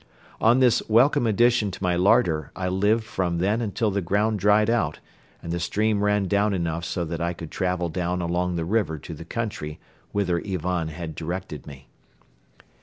On this welcome addition to my larder I lived from then until the ground dried out and the stream ran down enough so that I could travel down along the river to the country whither Ivan had directed me.